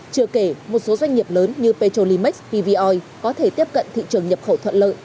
chưa kể một số doanh nghiệp lớn như petrolimax pvoi có thể tiếp cận thị trường nhập khẩu thuận lợi